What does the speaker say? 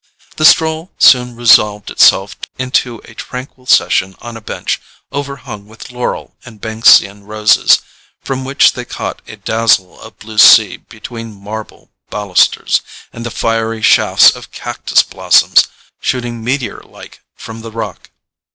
The stroll soon resolved itself into a tranquil session on a bench overhung with laurel and Banksian roses, from which they caught a dazzle of blue sea between marble balusters, and the fiery shafts of cactus blossoms shooting meteor like from the rock.